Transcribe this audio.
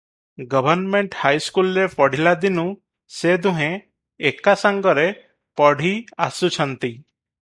Government ହାଇସ୍କୁଲରେ ପଢ଼ିଲା ଦିନୁଁ ସେ ଦୁହେଁ ଏକାସାଙ୍ଗରେ ପଢ଼ି ଆସୁଛନ୍ତି ।